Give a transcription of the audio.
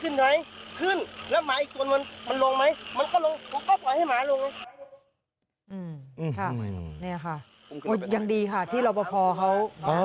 อืมค่ะนี่ค่ะอย่างดีค่ะที่เราประพอเขาอ๋อ